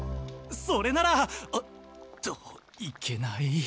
それなら！っといけない。